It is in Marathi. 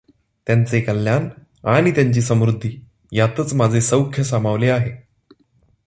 त्यांचे कल्याण आणि त्यांची समृद्धी ह्यांतच माझे सौख्य सामावले आहे।